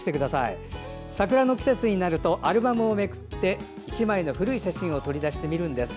桜の季節になるとアルバムをめくって１枚の古い写真を見返すんです。